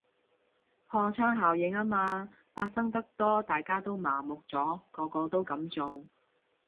破窗效應吖嘛，發生得多大家都麻木咗，個個都噉做